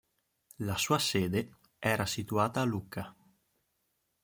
La sua sede era situata a Lucca.